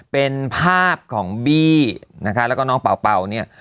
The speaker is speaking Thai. เป็นภาพของบี้นะคะแล้วก็น้องเป่าเนี่ย